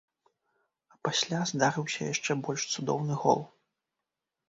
А пасля здарыўся яшчэ больш цудоўны гол.